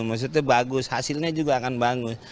maksudnya bagus hasilnya juga akan bagus